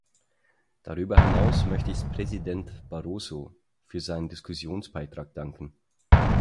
Darüber hinaus möchte ich Präsident Barroso für seinen Diskussionsbeitrag danken.